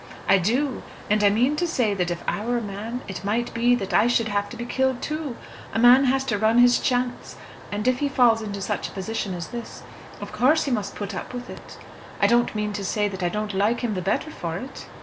"I do, and I mean to say that if I were a man, it might be that I should have to be killed too. A man has to run his chance, and if he falls into such a position as this, of course he must put up with it. I don't mean to say that I don't like him the better for it."